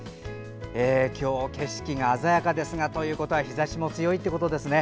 今日は景色が鮮やかですがということは日ざしも強いということですね。